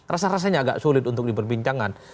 rasa rasanya agak sulit untuk diperbincangkan